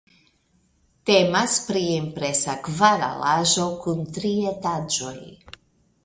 Temas pri impresa kvaralaĵo kun tri etaĝoj.